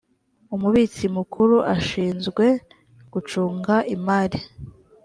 umubitsi mukuru ashinzwe gucunga imari